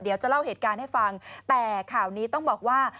เดี๋ยวจะเล่าเหตุการณ์ให้ฟังแต่ข่าวนี้ต้องบอกว่า